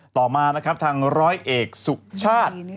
ต่อมาทางร้อยเอกสุขชาติ